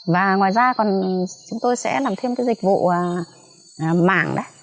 và ngoài ra còn chúng tôi sẽ làm thêm cái dịch vụ mảng đấy